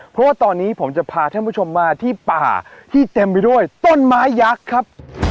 เพราะว่าตอนนี้ผมจะพาท่านผู้ชมมาที่ป่าที่เต็มไปด้วยต้นไม้ยักษ์ครับ